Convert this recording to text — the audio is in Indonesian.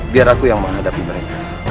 biar aku yang menghadapi mereka